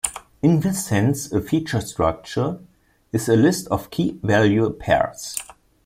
In this sense a feature structure is a list of key-value pairs.